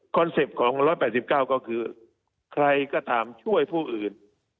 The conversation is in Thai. เป็ปต์ของ๑๘๙ก็คือใครก็ตามช่วยผู้อื่น